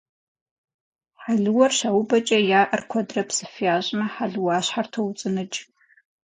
Хьэлыуэр щаубэкӏэ я ӏэр куэдрэ псыф ящӏмэ, хьэлыуащхьэр тоуцӏыныкӏ.